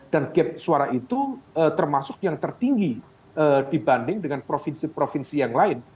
dan gap suara itu termasuk yang tertinggi dibanding dengan provinsi provinsi yang lain